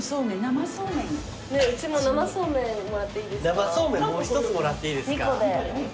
生そうめんもう１つもらっていいですか？